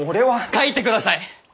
書いてください！